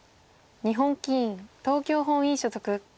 日本棋院東京本院所属。